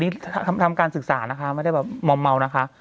นี่ทำการศึกษานะคะไม่ได้แบบเมานะคะ